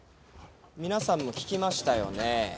皆さんも聞きましたよね？